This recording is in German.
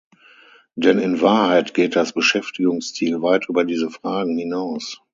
Denn in Wahrheit geht das Beschäftigungsziel weit über diese Fragen hinaus.